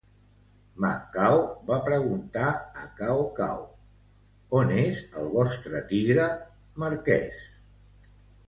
Ma Chao va preguntar a Cao Cao: "on és el vostre tigre, marquès?